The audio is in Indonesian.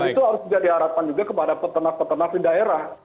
dan itu harus jadi harapan juga kepada peternak peternak di daerah